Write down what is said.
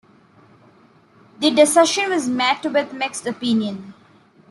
The decision was met with mixed opinion.